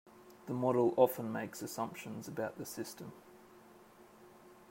The model often makes assumptions about the system.